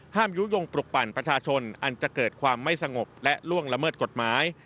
ยุโยงปลุกปั่นประชาชนอันจะเกิดความไม่สงบและล่วงละเมิดกฎหมาย